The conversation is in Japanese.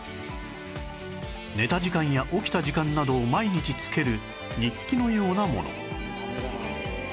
寝た時間や起きた時間などを毎日つける日記のようなもの